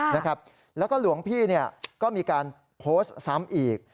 เราก็หลวงพี่ก็มีการโพสต์ซ้ำอีก